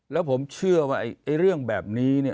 แล้วผมเชื่อว่าเรื่องแบบนี้